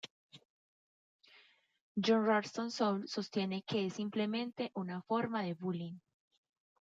John Ralston Saul sostiene que es simplemente una forma de "bullying".